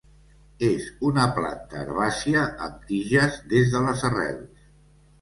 És una planta herbàcia amb tiges des de les arrels.